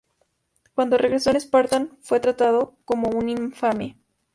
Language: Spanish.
Cuando regresó a Esparta, fue tratado como un infame.